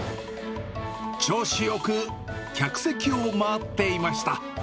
調子よく客席を回っていました。